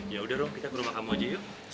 ya udah rum kita ke rumah kamu aja yuk